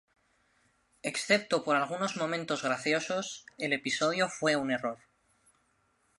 Excepto por algunos momentos graciosos, el episodio fue un error".